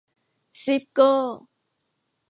ซีฟโก้